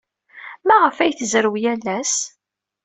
Maɣef ay tzerrew yal ass?